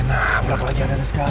nah belakang lagi ada ada segala